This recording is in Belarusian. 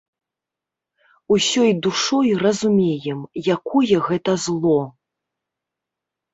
Усёй душой разумеем, якое гэта зло.